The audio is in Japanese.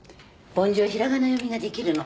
梵字は平仮名読みができるの。